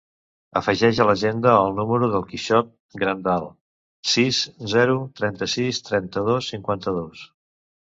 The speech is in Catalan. Afegeix a l'agenda el número del Quixot Grandal: sis, zero, trenta-sis, trenta-dos, cinquanta-dos.